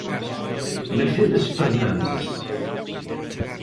Mercedes Fernández.